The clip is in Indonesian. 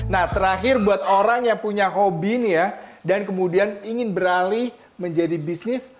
nah terakhir buat orang yang punya hobi nih ya dan kemudian ingin beralih menjadi bisnis